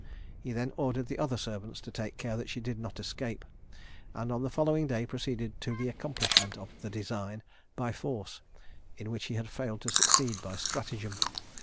He then ordered the other servants to take care that she did not escape, and on the following day proceeded to the accomplishment of the design by force, in which he had failed to succeed by stratagem.